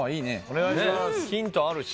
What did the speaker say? ヒントあるし。